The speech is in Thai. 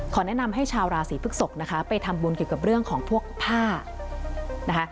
แนะนำให้ชาวราศีพฤกษกนะคะไปทำบุญเกี่ยวกับเรื่องของพวกผ้านะคะ